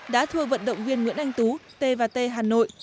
đã thưa vận động viên nguyễn anh tú t t hà nội